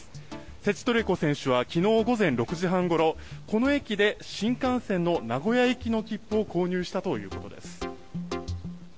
セチトレコ選手は昨日午前６時半ごろこの駅で新幹線の名古屋行きの切符を購入したということです。